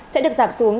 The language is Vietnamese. sẽ được giảm xuống